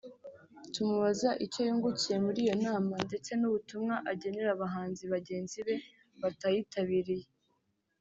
tumubaza icyo yungukiye muri iyi nama ndetse n’ubutumwa agenera abahanzi bagenzi be batayitabiriye